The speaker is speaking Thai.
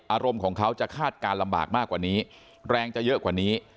อารมณ์ของเขาจะคาดการณ์ลำบากมากกว่านี้แรงจะเยอะกว่านี้